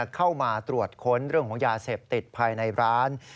เข้ามาตรวจค้นเรื่องของยาเสพติดภายในร้าน